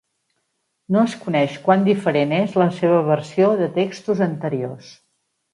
No es coneix quant diferent és la seva versió de textos anteriors.